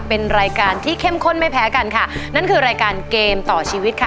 เป็นรายการที่เข้มข้นไม่แพ้กันค่ะนั่นคือรายการเกมต่อชีวิตค่ะ